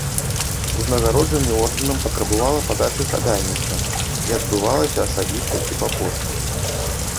Узнагароджанне ордэнам патрабавала падачы хадайніцтва і адбывалася асабіста ці па пошце.